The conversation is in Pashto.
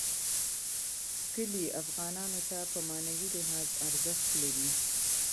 کلي افغانانو ته په معنوي لحاظ ارزښت لري.